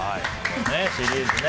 シリーズね。